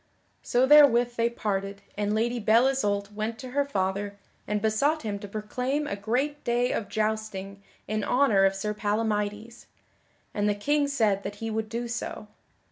So therewith they parted and Lady Belle Isoult went to her father and besought him to proclaim a great day of jousting in honor of Sir Palamydes, and the King said that he would do so.